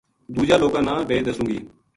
دُوجا لوکاں نا بے دسوں گی